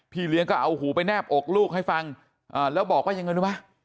พี่เลี้ยงก็เอาหูไปแนบอกลูกให้ฟังแล้วบอกว่าอย่างนึงดูวะ